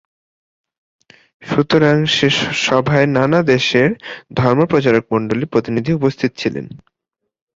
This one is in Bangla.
সুতরাং সে সভায় নানা দেশের ধর্মপ্রচারকমণ্ডলীর প্রতিনিধি উপস্থিত ছিলেন।